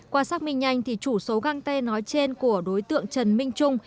qua xác minh nhanh chủ số găng tê nói trên của đối tượng trần minh trung